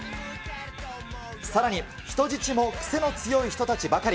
さらに人質も癖の強い人たちばかり。